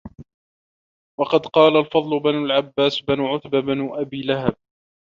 وَقَدْ قَالَ الْفَضْلُ بْنُ الْعَبَّاسِ بْنِ عُتْبَةَ بْنِ أَبِي لَهَبٍ